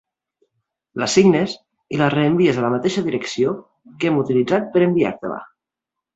La signes i la reenvies a la mateixa direcció que hem utilitzat per enviar-te-la.